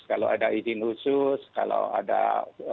kalau ada izin khusus kalau ada